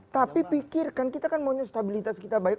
tapi pikirkan kita kan maunya stabilitas kita baik